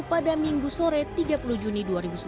pada minggu sore tiga puluh juni dua ribu sembilan belas